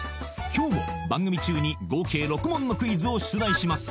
今日も番組中に合計６問のクイズを出題します